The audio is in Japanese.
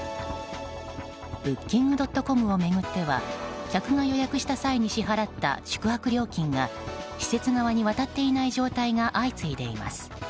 ブッキングドットコムを巡っては客が予約した際に支払った宿泊料金が施設側に渡っていない状態が相次いでいます。